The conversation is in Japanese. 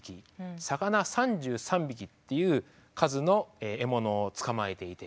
魚３３匹っていう数の獲物を捕まえていて。